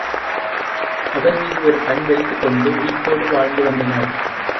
அவன் மீது ஒரு கண்வைத்துக் கொண்டு விழிப்போடு வாழ்ந்து வந்தனர்.